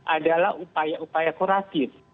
adalah upaya upaya kuratif